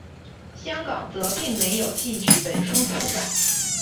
香港则并没有禁止本书出版。